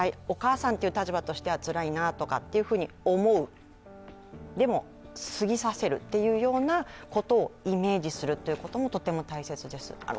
お母さんという立場としては、つらいなとか思う、でも、過ぎさせるというようなことをイメージすることがとても大切です。